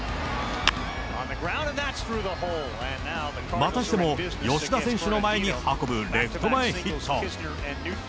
またしても、吉田選手の前に運ぶレフト前ヒット。